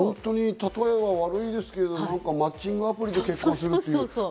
例えは悪いですけど、マッチングアプリでみたいな。